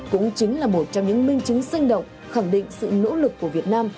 cũng chính là một trong những minh chứng sinh động khẳng định sự nỗ lực của việt nam